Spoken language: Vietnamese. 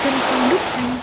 chân trong nước xanh